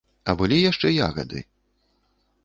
А былі яшчэ ягады.